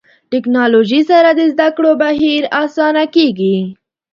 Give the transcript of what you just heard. ټکنالوژي سره د زده کړو بهیر اسانه کېږي.